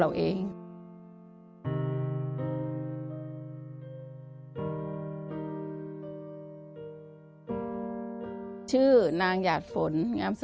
ทำงานชื่อนางหยาดฝนภูมิสุขอายุ๕๔ปี